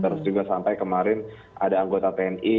terus juga sampai kemarin ada anggota tni yang terbuka